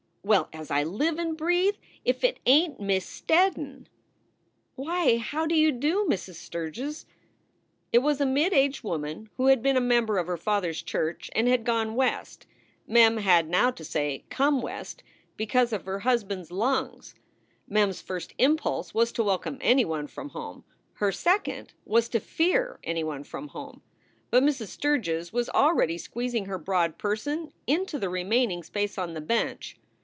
"Well, as I live and breathe! If it ain t Miss Steddon!" "Why, how do you do, Mrs. Sturgs!" It was a mid aged woman who had been a member of her father s church and had gone West Mem had now to say, "come West" because of her husband s lungs. SOULS FOR SALE 187 Mem s first impulse was to welcome anyone from home. Her second was to fear anyone from home. But Mrs. Sturgs was already squeezing her broad person into the remaining space on the bench.